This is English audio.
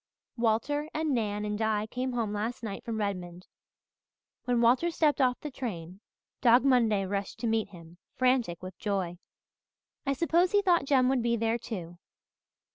"Walter and Nan and Di came home last night from Redmond. When Walter stepped off the train Dog Monday rushed to meet him, frantic with joy. I suppose he thought Jem would be there, too.